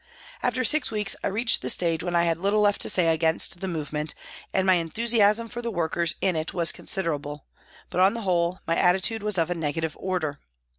After six weeks I reached the stage when I had little left to say against the movement and my enthusiasm for the workers in it was considerable, but on the whole my attitude was of a negative order.